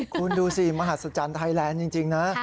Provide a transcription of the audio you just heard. คุณดูสิมหัศจรรย์ไทยแลนด์จริงนะ